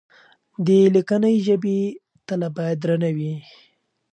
د ليکنۍ ژبې تله بايد درنه وي.